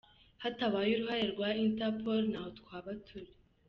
Hatabaye uruhare rwa Interpol ntaho twaba turi.